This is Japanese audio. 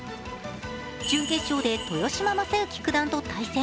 準決勝で豊島将之九段と対戦。